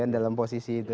dalam posisi itu